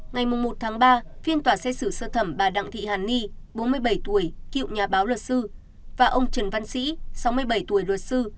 ngày một ba phiên tòa xét xử sơ thẩm bà đặng thị hàn ni bốn mươi bảy tuổi cựu nhà báo luật sư và ông trần văn sĩ sáu mươi bảy tuổi luật sư